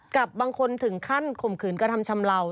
กับบางคนถึงขั้นข่มขืนกระทำชำเลา